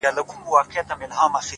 د زړه سکون له سم نیت زېږي!